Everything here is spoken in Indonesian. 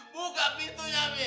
buka pintunya mi